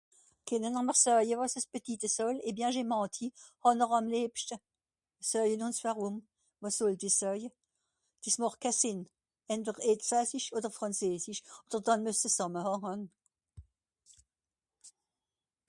Kenne-n-r mr soeje, wàs es beditte soll. [français], hàn'r àm lìebschte. Soeje-n-ùns warùm. Wàs sollt i soeje. Dìs màcht kè Sinn. Entweder Elsassisch odder Frànzesisch, àwer dànn mues (...)